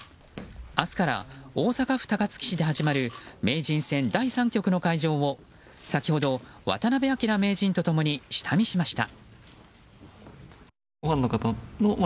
明日から大阪府高槻市で始まる名人戦第３局の会場を先ほど渡辺明名人と共に下見しました。